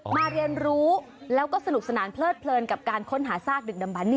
มาเรียนรู้แล้วก็สรุขสนานเผลิดเพลินกับการค้นหาซากหนึ่งดำบั้นนี่